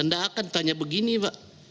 anda akan tanya begini pak